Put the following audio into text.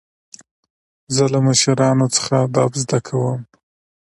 زه له مشرانو څخه ادب زده کوم.